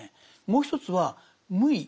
もう一つは無為。